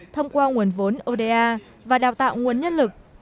thông qua nguồn vốn oda và đào tạo nguồn nhân lực